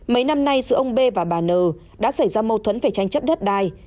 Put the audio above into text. mấy năm nay giữa ông bê và bà nờ đã xảy ra mâu thuẫn về tranh chấp đất đai